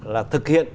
là thực hiện